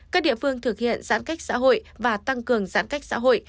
các địa phương thực hiện giãn cách xã hội và tăng cường giãn cách xã hội